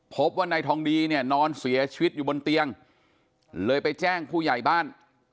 พบว่านายทองดีเนี่ยนอนเสียชีวิตอยู่บนเตียงเลยไปแจ้งผู้ใหญ่บ้าน